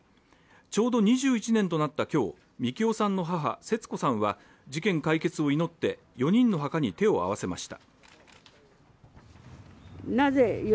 ちょうど２１年となった今日、みきおさんの母・節子さんは事件解決を祈って４人の墓に手を合わせました。